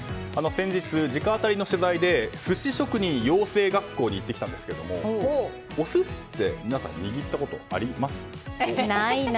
先日、直アタリの取材で寿司職人養成学校に行ってきたんですけどもお寿司って、皆さん握ったことあります？ないな。